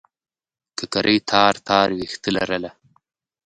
ککرۍ تار تار وېښته لرله.